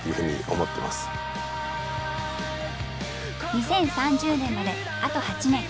２０３０年まであと８年。